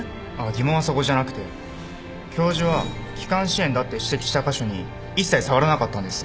疑問はそこじゃなくて教授は気管支炎だって指摘した箇所に一切触らなかったんです。